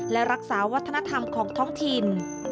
และรักษาวัฒนธรรมของท้องถิ่น